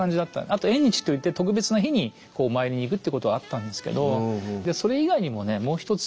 あと「縁日」といって特別な日にこうお参りに行くっていうことはあったんですけどそれ以外にもねもう一つ